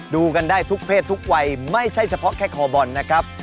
ดูกันได้ทุกเพศทุกวัยไม่ใช่เฉพาะแค่คอบอลนะครับ